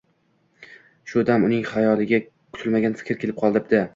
Shu dam uning xayoliga kutilmagan fikr kelib qolibdi